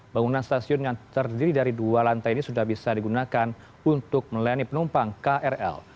bangunan stasiun yang terdiri dari dua lantai ini sudah bisa digunakan untuk melayani penumpang krl